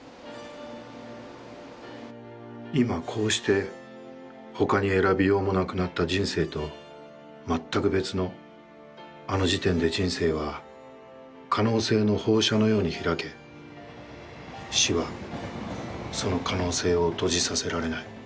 いまこうして他に選びようもなくなった人生とまったく別の、あの時点で人生は可能性の放射のように開け、死はその可能性を閉じさせられない。